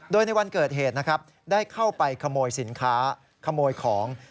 โดยในวันเกิดเหตุนะครับได้เข้าไปขโมยสินค้าขโมยของ